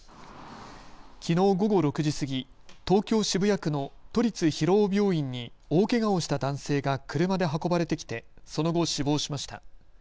きのう午後６時過ぎ、東京渋谷区の都立広尾病院に大けがをした男性が車で運ばれてきてその後、死亡しました。